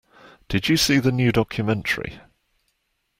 Did you see the new documentary?